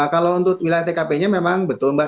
kalau untuk wilayah tkp nya memang betul mbak